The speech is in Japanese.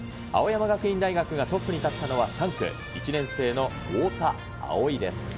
青山学院大学がトップに立ったのは３区、１年生の太田蒼生です。